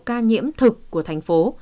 ca nhiễm thực của thành phố